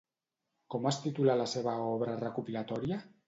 Com es titula la seva obra recopilatòria?